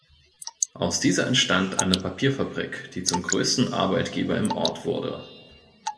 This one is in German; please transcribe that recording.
Aus dieser entstand eine Papierfabrik, die zum größten Arbeitgeber im Ort wurde.